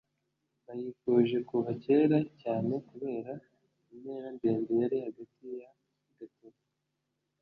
bayifuje kuva kera cyane kubera intera ndende yari hagati ya gatovu